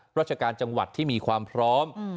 ราชการจังหวัดที่มีความพร้อม